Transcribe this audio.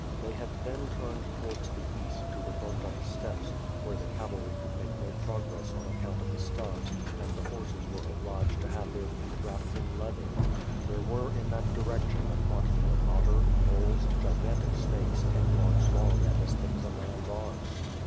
They had then turned towards the East to the burnt up steppes, wlxcre the cavalry could make no progress on account of the stubs and the horses were obliged to have their feet wrapepd in leather. There were in that direction a quantity of otter, moles, gigantic snakes, ten yards long and as thick as a man's arm.